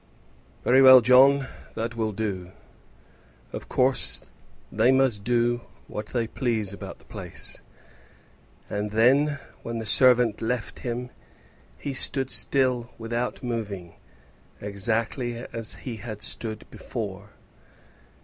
"Very well, John; that will do; of course they must do what they please about the place." And then, when the servant left him, he still stood without moving, exactly as he had stood before.